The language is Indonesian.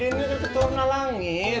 ini keturunan langit